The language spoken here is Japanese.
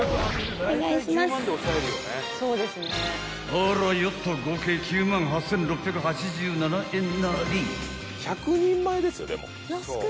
［あらよっと合計９万８，６８７円なり］